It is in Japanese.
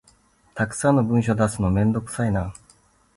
たくさんの文書出すのめんどくさいな